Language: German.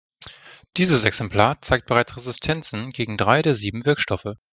Dieses Exemplar zeigt bereits Resistenzen gegen drei der sieben Wirkstoffe.